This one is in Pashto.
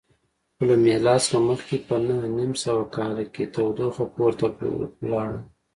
خو له میلاد څخه مخکې په نهه نیم سوه کال کې تودوخه پورته لاړه